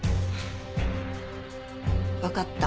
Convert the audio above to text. わかった。